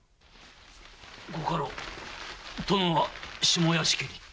ご家老殿は下屋敷に。